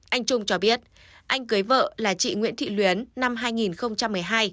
anh trung cho biết anh cưới vợ là chị nguyễn thị luyến năm hai nghìn một mươi hai